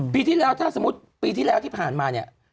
ปีที่แล้วถ้าสมมุติปีที่แล้วที่ผ่านมาเนี่ย